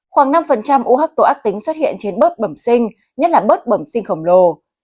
khoảng năm u hốc tội ác tính xuất hiện trên bớt bẩm sinh nhất là bớt bẩm sinh khổng lồ